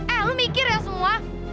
eh lu mikir ya semua